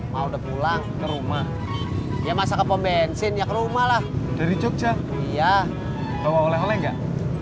mau udah pulang ke rumah ya masak pembencin ya kerumahlah dari jogja iya bawa oleh oleh